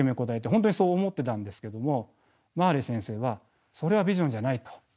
本当にそう思ってたんですけどもマーレー先生はそれはビジョンじゃないと。